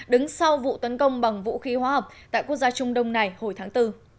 đứng sau vụ tấn công bằng vũ khí hóa học tại quốc gia trung đông này hồi tháng bốn